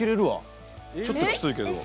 ちょっときついけど。